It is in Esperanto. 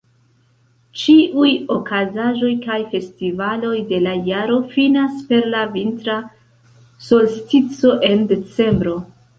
Ĉiuj okazaĵoj kaj festivaloj de la jaro finas per la Vintra solstico en Decembro.